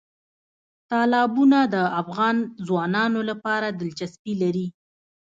تالابونه د افغان ځوانانو لپاره دلچسپي لري.